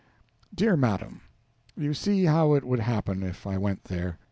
Dear madam, you see how it would happen if I went there.